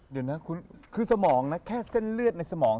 เดี๋ยวนะคุณคือสมองนะแค่เส้นเลือดในสมอง